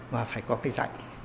và phải có cái dạy